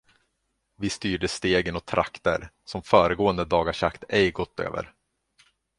Vi styrde stegen åt trakter, som föregående dagars jakt ej gått över.